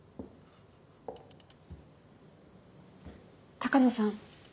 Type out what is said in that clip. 鷹野さん